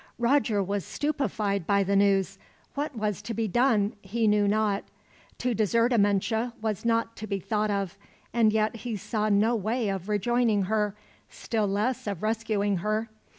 Roger was stupefied by the news. What was to be done, he knew not. To desert Amenche was not to be thought of, and yet he saw no way of rejoining her, still less of rescuing her.